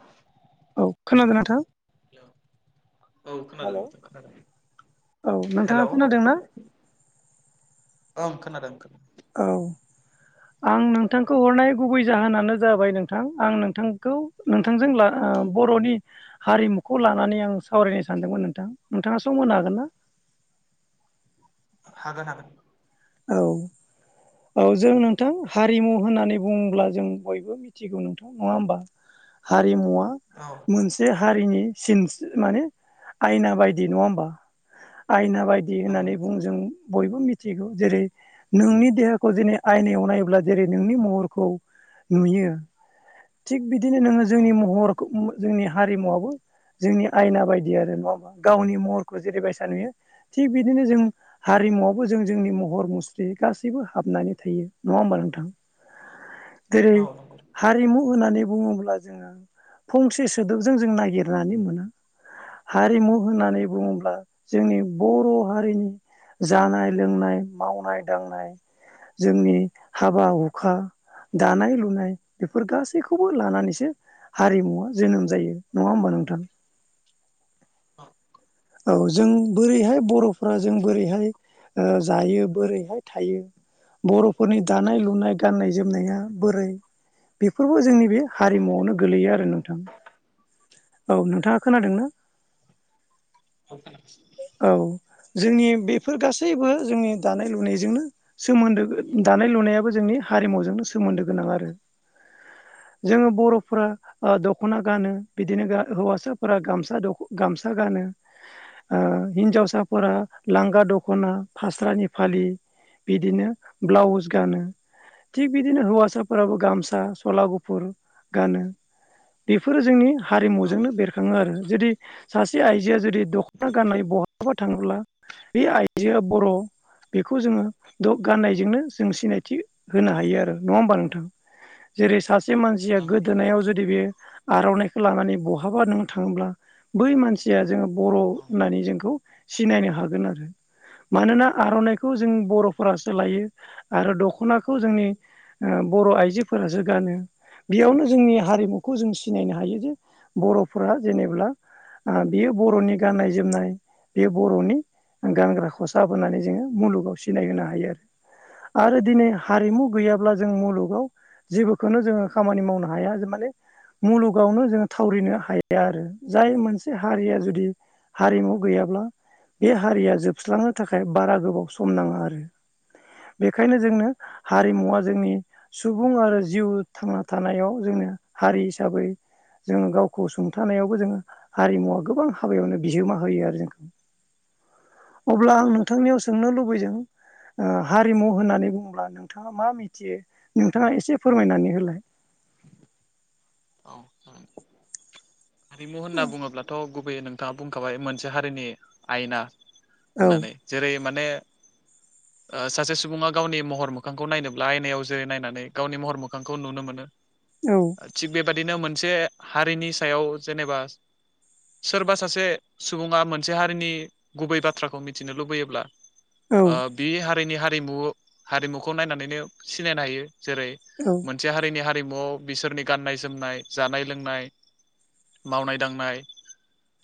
[inaudible] औ खोनादों नोंथा हेलौ औ खोनादों नोंथां खोनादों औ नोंथाङा हेलौ। खोनादोंना ओं खोनादोंं। औ आं नोंथांखौ हरनाय गुबै जाहोनानो जाबाय नोंथां आं नोंथांखौ नोंथांजों आ बर'नि हारिमुखौ लानानै आं सावरायनो सानदोंमोन नोंथां नोंथाङा सम होनो हागोन ना? [inaudible] हागोन हागोन। औ औ जों नोंथां हारिमु होननानै बुङोब्ला जों बयबो मिथिगौ नोंथां नङा होमबा? हारिमुवा औ मोनसे हारिनि सिनस माने आयना बायदि नङा होमबा आइना बायदि औ होननानै बुं जों बयबो मिथिगौ। जेरै नोंनि देहाखौ जेरै आयनायाव नायोब्ला जेरै नोंनि महरखौ नुयो थिग बिदिनो नोङो जोंनि औ महरखो जोंनि हारिमुवाबो जोंनि आयना बायदि आरो नङा होमा गावनि महरखौ जेरैबायसा नुयो थिग बिदिनो जों हारि रिमुआवबो जों जोंनि महर मुस्रि गासैबो हाबनानै थायो नङा होमबा नोंथां? जेरै औ नंगौ हारिमु होननानै बुङोब्ला जोङो फंसे सोदोबजों जों नागिरनानै मोना। हारिमु होननानै बुङोब्ला जोंनि बर' हारिनि जानाय लोंनाय मावनाय दांनाय जोंनि हाबा हुखा दानाय लुनाय बेफोर गासैखौबो लानानैसो हारिमुआ जोनोम जायो नङा होमबा नोंथां औ औ जों बोरैहाय बर'फ्रा जों बोरैहाय जायो बोरैहाय थायो बर'फोरनि दानाय लुनाय गान्नाय जोमनाया बोरै बेफोरबो जोंनि बे हारिमुआवनो गोलैयो आरो नोंथां औ नोंथाङा खोनादोंना [inaudible] औ जोंनि बेफोर गासैबो जोंनि दानाय लुनायजोंनो सोमोन्दो दानाय लुनायाबो जोंनि हारिमुजोंनो सोमोन्दो गोनां आरो जोङो बर'फोरा ओ दख'ना गानो बिदिनो हौवासाफोरा गामसा गानो ओ हिनजावसाफोरा लांगा दख'ना फास्रानि फालि बिदिनो ब्लाउस गानो थिग बिदिनो हौवासाफोराबो गामसा सला गुफुर गानो बेफोरो जोंनि औ हारिमुजोंनो बेरखाङो आरो जुदि सासे आइजोआ जुदि दखना गाननानै बहाबा थाङोब्ला बे आइजोआ बर' बेखौ जोङो द गाननायजोंनो जों सिनायथि होनो हायो आरो नङा होमबा नोंथां जेरै सासे मानसिया नंगौ नंगौ गोदोनायाव जुदि बे आर'नाइखौ लानानै बहाबा नोङो थाङोब्ला बै मानसिया जोङो बर' औ होननानै जोंखौ सिनायनो हागोन आरो मानोना आर'नाइखौ जों बर'फोरासो लायो आरो दख'नाखौ जोंनि बर' आइजोफोरासो गानो बेयावनो जोंनि हारिमुखौ जों सिनायनो हायो जे बर'फोरा जेनेब्ला ओ बेयो बर'नि गाननाय जोमनाय बेयो बर'नि गानग्रा खसाब होनानै जोङो मुलुगाव सिनाय होनो हायो आरो आरो दिनै हारिमु गैयाब्ला जों मुलुगाव जेबोखौनो जोङो खामानि मावनो हाया माने मुलुगावनो जोङो थावरिनो हाया आरो जाय मोनसे हारिया जुदि हारिमु गैयाब्ला बे हारिया जोबस्रांनो थाखाय बारा गोबाव सम नाङा आरो बेखायनो जोंनो हारिमुवा जोंनि सुबुं आरो जिउ थांना थानायाव जों हारि हिसाबै जोङो गावखौ सुंथानायावबो जोङो हारिमुवा गोबां हाबायावनो बिहोमा होयो आरो जोंखौ अब्ला आं औ औ नोंथांनियाव सोंनो लुबैदों ओ हारिमु होननानै बुङोब्ला नोंथाङा मा मिथियो नोंथाङा एसे फोरमायनानै होलाय [inaudible] औ हारिमु होनना बुङोब्लाथ गुबैयै नों बिथांङा बुंखाबाय मोनसे हारिनि आयना औ होननानै जेरै माने सासे सुबुङा गावनि महर मोखांखौ नायनोब्ला आयनायाव जेरै नायनानै गावनि महर मोखांखौ नुनो मोनो औ थिग बेबादिनो मोनसे हारिनि सायाव जेनेबा सोरबा सासे सुबुङा मोनसे हारिनि गुबै बाथ्राखौ मिथिनो लुबैयोब्ला औ ओ बे हारिनि हारिमु हारिमुखौ नायनानैनो सिनायनो हायो जेरै औ मोनसे हारिनि हारिमुआव बिसोरनि गाननाय जोमनाय जानाय लोंनाय मावनाय दांनाय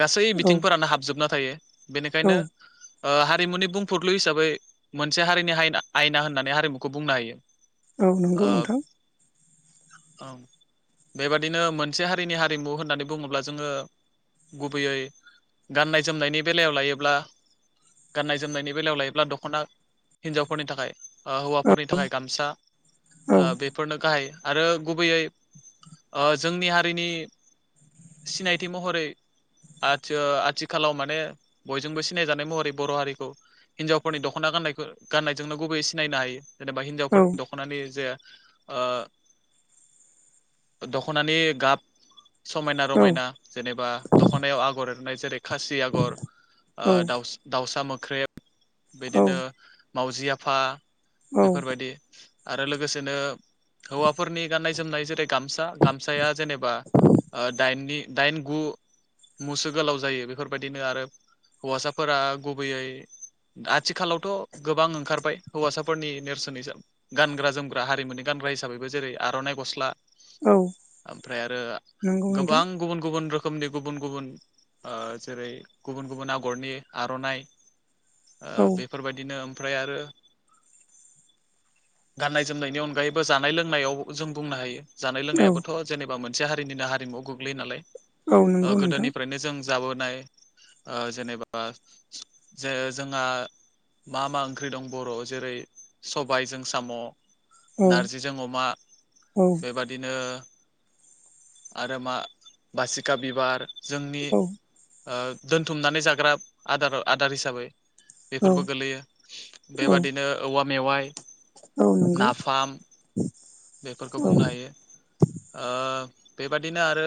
गासै औ बिथिंफोरानो हाबजोबना थायो औ बेनिखायनो ओ हारिमुनि बुंफुरलु हिसाबै मोनसे हारिनिना आयना होननानै हारिमुखौ बुंनो हायो औ नंगौ नोंथां औ बेबादिनो मोनसे हारिनि हारिमु होननानै बुङोब्ला जोङो गुबैयै गाननाय जोमनायनि बेलायाव लायोब्ला गाननाय जोमनायनि बेलायाव लायोब्ला दखना हिन्जावफोरनि थाखाय ओ औ हौवाफोरनि थाखाय गामसा औ ओ बेफोरनो गाहाय आरो गुबैयै ओ जोंनि हारिनि सिनायथि महरै आथि आथिखालाव माने बयजोंबो सिनायजानाय महरै बर' हारिखौ हिन्जावफोरनि दखना गाननायखौ गाननायजोंनो गुबैयै सिनायनो हायो जेनेबा औ हिन्जावफोरनि दखनानि जे ओ दखनानि गाब समायना रमायना जेनेबा दखनायाव आगर नाय जेरै खासि ओ आगर औ दाउ दाउसा मोख्रेब बिदिनो औ मावजि आफा औ बेफोरबायदि आरो लोगोसेनो हौवाफोरनि गाननाय जोमनाय जेरै गामसा गामसाया जेनेबा दाइननि दाइन गु मुसो गोलाव जायो बेफोरबायदिनो आरो हौवासाफोरा गुबैयै आथिखालावथ गोबां ओंखारबाय हौवासाफोरनि नेरसोन गानग्रा जोमग्रा हारिमुनि गान [unintelligible] हिसाबैबो जेरै आरइ गस्ला औ ओमफ्राय आरो नंगौ नोंथां गोबां गुबुन गुबुन रोखोम रोखोमनि गुबुन गुबुन ओ जेरै गुबुन गुबुन आगरनि आरनाइ ओ औ बेफोरबायदिनो ओमफ्राय आरो गाननाय जोमनायनि अनगायैबो जानाय लोंनायाव जों बुंनो हायो जानाय औ लोंनायाबोथ जेनेबा मोनसे हारिनिनो हारिमुआव गोग्लैयो नालाय औ नंगौ नोंथां गोदोनिफ्रायनो जों जाबोनाय जेनेबा जे जोंहा मा मा ओंख्रि दं बर जेरै सबायजों साम औ नारजिजों अमा औ ओ आरो मा बासिखा बिबार जोंनि औ ओ दोनथुमनानै जाग्रा आदार आदार हिसाबै औ बेफोरबो गोलैयो औ बेबादिनो औवा मेवाइ औ नंगौ नाफाम बेफोरखौ औ बुंनो हायो ओ बेबादिनो आरो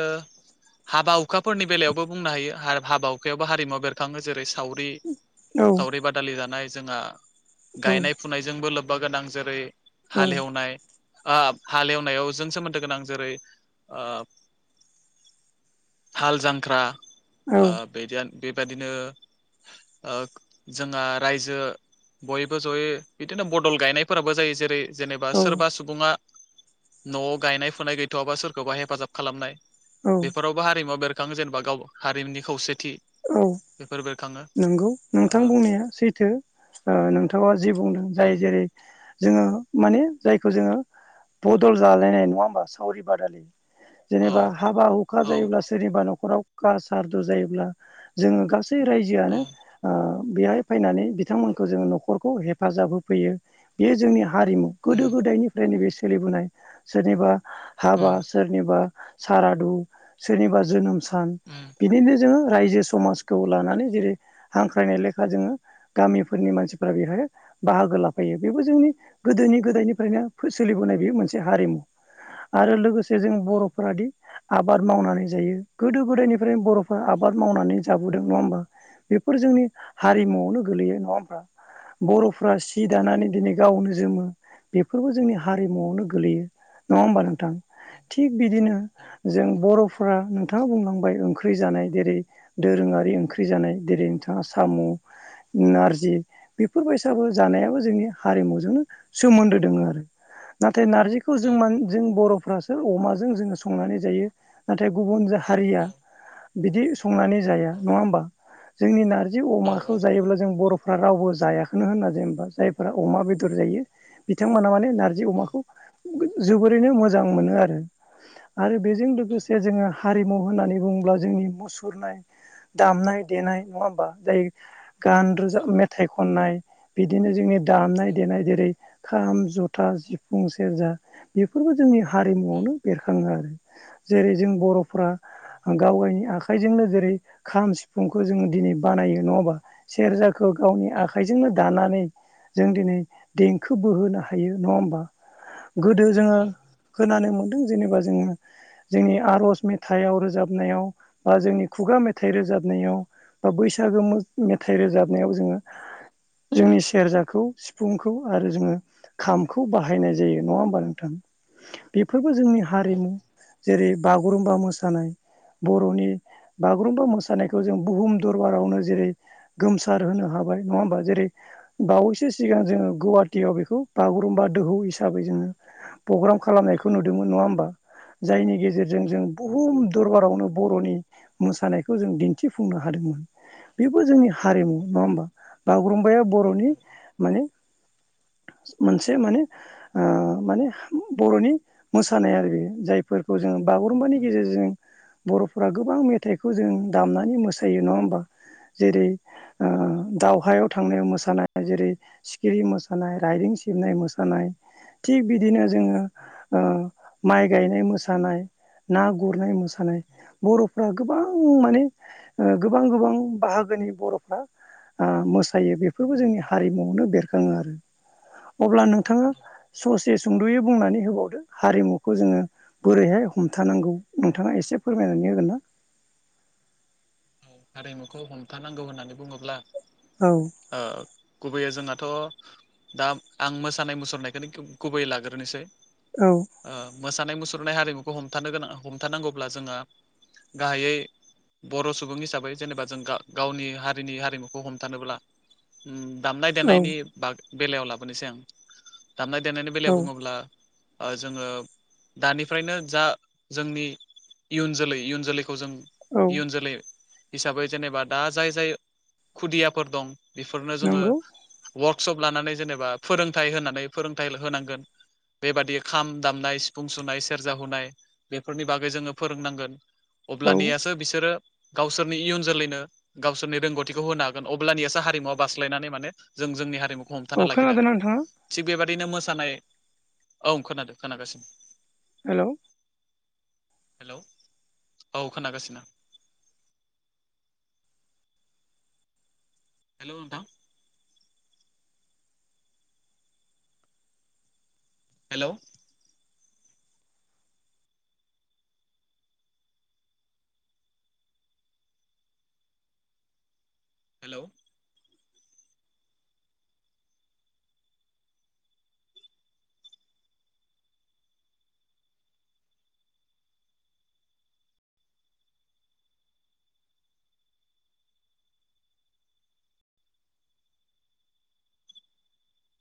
हाबा हुखाफोरनि बेलायावबो बुंनो हायो हाबा हुखायावबो हारिमुव बेरखाङो जेरै सावरि औ सावरि बादालि जानाय जोंहा औ गायनाय फुनायजोंबो बो गोनां जेरै औ हालेवनाय ओ हालेवनायाव जों सोमोन्दो गोनां जेरै ओ हाल जांख्रा ओ बेदि बेबायादिनो ओ जोंहा रायजो। बयबो जयै बिदिनो बदल गायनायफोराबो जायो जेरै। जेनेबा औ सोरबा सुबुङा न'आव गायनाय फुनाय गैथ'वाबा सोरखौबा हेफाजाब खालामनाय। बेफोरावबो हारिमुआ बेरखाङो जेनेबा गाव हारिमुनि खौसे। औ नंगौ ओ नोंथां बुंनाया सैथो ओ नोंथाङा जे बु दों औ जाय जेरै जोङो माने जायखौ जोङो बदल जालायनाय नङा होमबा सावरि बादालि जेनेबा औ हाबा हुखा औ जायोब्ला सोरनिबा न'खराव कास सारदु जायोब्ला जोङो गासै औ रायजोआनो ओ बेहाय फैनानै बिथांमोनखौ जोङो न'खरखौ हेफाजाब होफैयो बेयो जोंनि हारिमु गोदो उम गोदायनिफ्रायनो बे सोलिबोनाय सोरनिबा हाबा उम सोरनिबा सारादु सोरनिबा जोनोम सान उम बिदिनो जोङो रायजो समाजखौ लानानै जेरै हांख्रायनाय लेखा जोङो गामिफोरनि मानसिफ्रा बेहाय बाहागो लाफायो बेबो जोंनि गोदोनि गोदायनिफ्रायनो सोलिबोनाय बे मोनसे हारिमु। आरो लोगोसे जों औ बर'फोरादि आबाद मावनानै जायो गोदो गोदायनिफ्रायनो बर'फोरा औ आबाद आबाद मावनानै जाबोदों नङा होमबा बेफोर जोंनि हारिमुआवनो गोलैयो नङा होमबा? बर'फ्रा सि दानानै दिनै गावनो जोमो। बेफोरबो जोंनि हारिमुआवनो गोलैयो नङा होमबा नोंथां? थिग बिदिनो जों बर'फ्रा नोंथाङा बुंलांबाय ओंख्रि जानाय जेरै दोरोङारि ओंख्रि जानाय जेरै नोंथाङा साम'। नारजि बेफोर बैसागु जानायाबो जोंनि हारिमुजोंनो सोमोन्दो दोङो आरो। नाथाय नारजिखौ औ जोंमा जों बर'। फोरासो अमाजों संनानै जायो नाथाय गुबुन हारिया बिदि। संनानै जाया औ नङा होमबा जोंनि नारजि अमाखौ जायोब्ला जों बर'। फोरा रावबो जायाखनो होनना जेनबा जायफ्रा अमा बेदर जायो बिथांमोना माने नारजि औ अमाखौ। जोबोरैनो मोजां मोनो आरो। आरो बेजों लोगोसे जोङो हारिमु होननानै बुंङोब्ला। जोंनि मुसुरनाय दामनाय देनाय नङा होमबा जाय। गान रोजाब मेथाइ खननाय। बिदिनो जोंनि दामनाय देनाय जेरै खाम जथा सिफुं सेरजा बेफोरबो जोंनि। हारिमुआवनो बेरखाङो आरो जेरै जों बर'फ्रा गाव गावनि आखाइजोंनो जेरै खाम सिफुंखौ जोङो दिनै बानायो नङाबा सेरजाखौ गावनि। नि आखाइजोंनो दानानै जों दिनै देंखो बोहोनो हायो नङा होमबा? गोदो जोङो। खोनानो मोनदों जेनेबा जोङो जोंनि आर'ज मेथाइाव रोजाब। नायाव बा जोंनि खुगा मेथाइ रोजाबनायाव। बा बैसागो मो मेथाइ रोजाबनायाव जोङो। जोंनि सेरजाखौ सिफुंखौ आरो जोङो खामखौ बाहायनाय जायो नङा होमबा नोंथां? बेफोरबो जोंनि औ हारिमु जेरै बागुरुमबा मोसानाय। बर'नि बागुरुम्बा मोसानायखौ जों बुहुम दरबारावनो जेरै गोमसार होन। हाबाय नङा होमा जेरै बावैसो सिगां जोङो गुवाटियाव बेखौ बागुरुम्बा दोहौ हिसाबै। जोंङो फ्रग्राम खालामनायखौ नुदोंमोन नङा होमबा जायनि गेजेरजों औ जों बुहम। दरबारावनो बर'नि मोसानायखौ जों दिन्थिफुंनो हादोंमोन बेबो जोंनि। हारिमु औ नङा होमबा बागुरुम्बाया बर'नि माने। मोनसे माने ओ माने बर'नि मोसानाय आरो बे जायफोरखौ जोङो। बागुरुम्बानि गेजेरजों बर'फोरा गोबां मेथाइखौ जों दामनानै मोसायो नङा होमबा? जेरै ओ दावहायाव थांनाय मोसानाय जेरै सिखिरि मोसानाय राइदिं। सिबनाय मोसानाय। थिग बिदिनो जोङो ओ माइ गायनाय मोसानाय ना गुरनाय मोसानाय। नाय बर'फ्रा गोबां माने गोबां गोबां बाहागोनि बर'फ्रा। आ मोसायो बेफोरबो जोंनि हारिमुआवनो बेरखाङो आरो। अब्ला नोंथाङा ससे सुंद'यै बुंनानै होबावदो हारिमुखौ जोङो बोरैहाय हमथानांगौ नोंथाङा एसे फोरमायनानै होगोन ना? औ हारिमुखौ हमथानांगौ होननानै बुङोब्ला औ ओ गुबैयै जोंहाथ' दा आं मोसानाय मुसुरनायखौनो गु-गुबैयै लाग्रोनोसै। औ ओ मोसानाय मुसुरनाय हारिमुखौ हमथानो गोनां हमथानांगौब्ला जोङो। गाहायै बर' सु बुं हिसाबै जेनेबा जों गा-गावनि हारिनि हारिमुखौ हमथानोब्ला उम दामनाय औ देनायनि बाग-बेलायाव लाबोनोसै आं दामनाय देनायनि औ बेलायाव बुङोब्ला। ओ जोङो दानिफ्रायनो जा जोंनि इयुन जोलै इयुन जोलै खौ जों औ इयुन जोलै हिसाबै जेनेबा दा जाय जाय खुदियाफोर दं। बेफोरनो जोङो नंगौ वार्कशप लानानै जेनेबा फोरोंथाइ होनानै फोरोंथाइल होनांगोन। बेबादि खाम दामनाय सिफुं सुनाय सेरजा हुनाय बेफोरनि बागै जोङो फोरोंनांगोन। औ अब्लानियासो बिसोरो गावसोरनि इयुन जोलैनो गावसोरनि रोंगौथिखौ होनो हागोन अब्लानियासो हारिमुवा बास्लायनानै माने जों जोंनि हा रिमुखौ औ हमथाना लाखिनो खोनादोंना हागोन नोंथाङा थिक बेबा दिनो मोसानाय औ खोनादों खोनागासिनो। हेल' हेलौ औ खोनागासिनो हेल' नोंथां। हेल' हेलौ